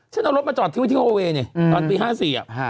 ฉันเอารถมาจอดที่โอเว่ตอนปี๕๔